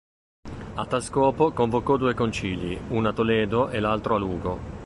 A tal scopo convocò due concili, uno a Toledo e l'altro a Lugo.